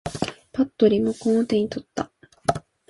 ぱっとリモコンを手に取った。